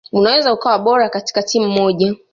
Unaweza ukawa bora katika timu moja